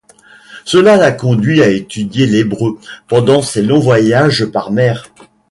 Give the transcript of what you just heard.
Cela la conduit à étudier l'hébreu pendant ses longs voyages par mer.